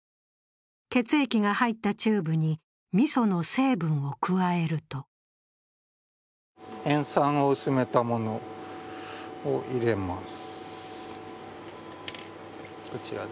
血液が入ったチューブにみその成分を加えると塩酸を薄めたものを入れます。